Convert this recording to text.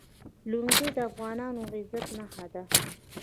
لنګۍ د افغانانو د عزت نښه ده.